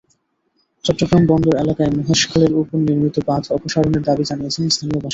চট্টগ্রাম বন্দর এলাকায় মহেশখালের ওপর নির্মিত বাঁধ অপসারণের দাবি জানিয়েছেন স্থানীয় বাসিন্দারা।